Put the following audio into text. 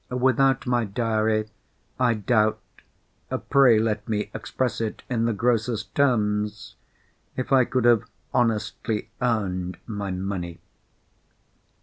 Without my diary, I doubt—pray let me express it in the grossest terms!—if I could have honestly earned my money.